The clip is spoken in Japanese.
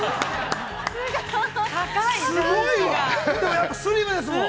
◆やっぱりスリムですもん。